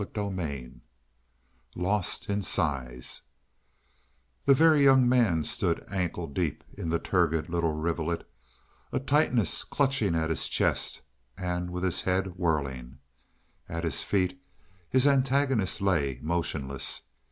CHAPTER XXXVIII LOST IN SIZE The Very Young Man stood ankle deep in the turgid little rivulet, a tightness clutching at his chest, and with his head whirling. At his feet his antagonist lay motionless.